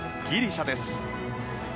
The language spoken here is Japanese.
ギリシャです。